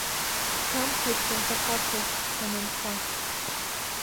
Сҭамхеит санҭахашаз, санынха…